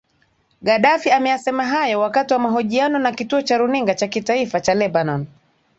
gaddafi ameyasema hayo wakati wa mahojiano na kituo cha runinga cha kitaifa cha lebanon